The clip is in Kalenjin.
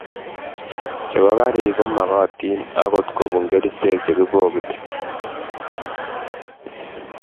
Chebo garik che momokotin agot kobun kerichek che kibogoti